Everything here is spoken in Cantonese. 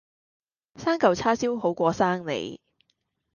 生舊叉燒好過生你